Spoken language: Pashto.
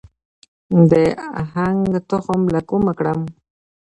د هنګ تخم له کومه کړم؟